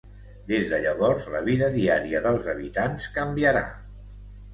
Des de llavors, la vida diària dels habitants canviarà.